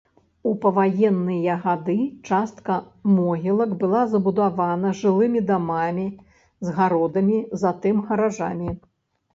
У паваенныя гады частка могілак была забудавана жылымі дамамі з гародамі, затым гаражамі.